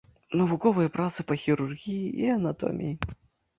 Навуковыя працы па хірургіі і анатоміі.